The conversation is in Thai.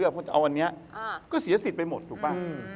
เจ้าตกพูดถูกหรือเปล่า